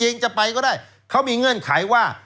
จะไปก็ได้เขามีเงื่อนไขว่า